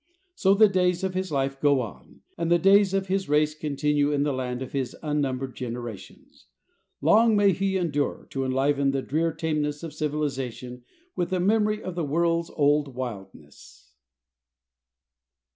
So the days of his life go on, and the days of his race continue in the land of his unnumbered generations. Long may he endure to enliven the drear tameness of civilization with a memory of the world's old wildness.